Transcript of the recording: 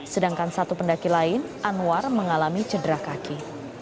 sedangkan satu pendaki lain anwar mengalami cedera kaki